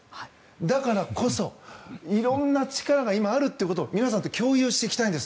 だからこそ、色んな力が今、あるということを皆さんと共有していきたいんです。